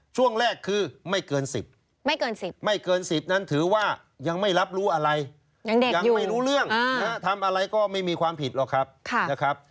ช่วงแรกคือไม่เกิน๑๐นั้นถือว่ายังไม่รับรู้อะไรยังไม่รู้เรื่องทำอะไรก็ไม่มีความผิดหรอกครับ